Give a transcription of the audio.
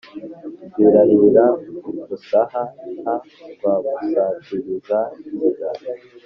Rwirahira Musahaha rwa Musatirizanzira